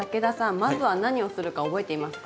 まずは何をするか覚えていますか？